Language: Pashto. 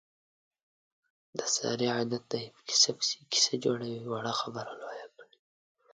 د سارې عادت دی، په قیصه پسې قیصه جوړوي. وړه خبره لویه کړي.